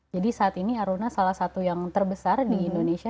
jadi saat ini aruna salah satu yang terbesar di indonesia